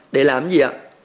để làm gì ạ